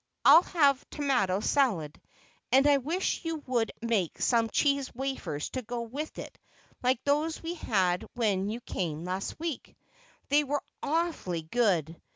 I'll have tomato salad, and I wish you would make some cheese wafers to go with it like those we had when you came last week. They were awfully good.